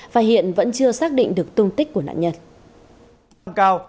và hiện vẫn chưa xác định được tung tích của nạn nhân